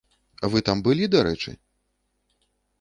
Вы там былі, дарэчы?